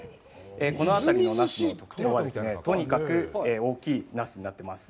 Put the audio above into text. このあたりのナスの特徴は、とにかく大きいナスになってます。